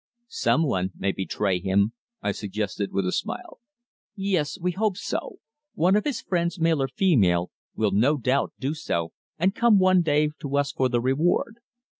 "Someone may betray him," I suggested with a smile. "Yes. We hope so. One of his friends, male or female, will no doubt do so and come one day to us for the reward.